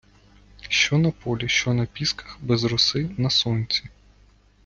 Що на полі, що на пісках, без роси, на сонці?